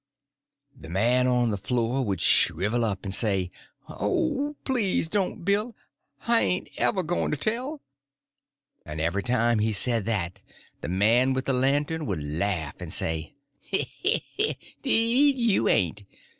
The man on the floor would shrivel up and say, "Oh, please don't, Bill; I hain't ever goin' to tell." And every time he said that the man with the lantern would laugh and say: "'Deed you _ain't!